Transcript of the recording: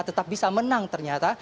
tetap bisa menang ternyata